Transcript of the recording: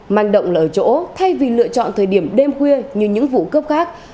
manh động là ở chỗ thay vì lựa chọn thời điểm đêm khuya như những vụ cướp khác